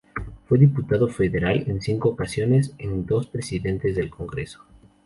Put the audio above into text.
Fue diputado federal en cinco ocasiones: en dos presidentes del Congreso.